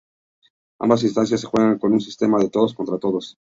Ambas instancias se juegan con un sistema de todos-contra-todos.